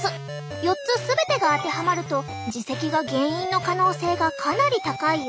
４つ全てが当てはまると耳石が原因の可能性がかなり高いよ。